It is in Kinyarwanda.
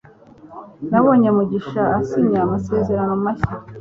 Nabonye mugisha asinya amasezerano mashya